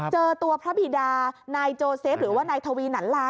เจอตัวพระบิดานายโจเซฟหรือว่านายทวีหนันลา